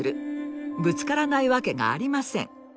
ぶつからないわけがありません。